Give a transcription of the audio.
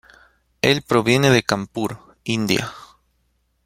Él proviene de Kanpur, India.